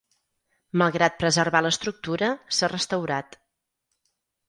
Malgrat preservar l’estructura, s’ha restaurat.